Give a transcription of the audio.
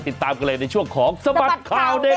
ติดตามกันเลยในช่วงของสบัดข่าวเด็ด